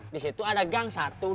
disitu ada gang satu dua tiga